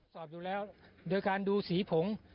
สอบอยู่แล้วโดยการดูสีผง